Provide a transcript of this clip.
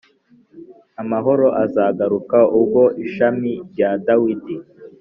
Amahoro azagaruka ubwo ishami rya Dawidi